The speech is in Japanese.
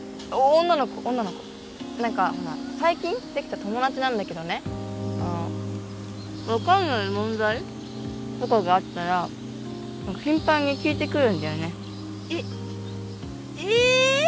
女の子女の子何かほら最近できた友達なんだけどね分かんない問題とかがあったら頻繁に聞いてくるんだよねえっええ